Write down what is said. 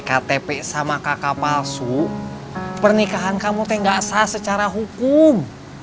ktp sama kakak palsu pernikahan kamu tenggak sah secara hukum